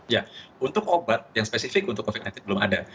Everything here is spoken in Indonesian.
ya untuk obat yang spesifik untuk covid sembilan belas belum ada